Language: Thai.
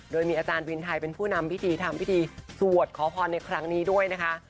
โดยมีอาจารย์วินไทยเป็นผู้นำพิธีทำพิธีสวดขอพรในครั้งนี้ด้วยนะคะ